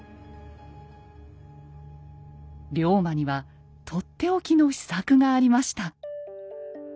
龍馬には取って置きの秘策がありました。